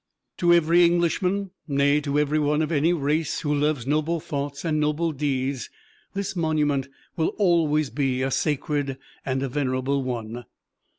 To every Englishman nay, to everyone of any race who loves noble thoughts and noble deeds this monument will always be a sacred and a venerable one.